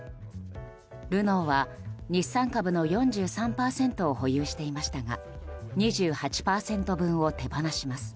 ルノーは日産株の４３％を保有していましたが２８％分を手放します。